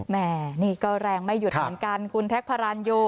แหมนี่ก็แรงไม่หยุดอ่อนกันคุณแท็กพารันยู